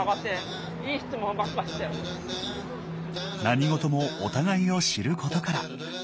何事もお互いを知ることから。